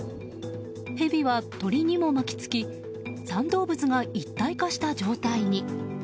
ヘビは鳥にも巻き付き３動物が一体化した状態に。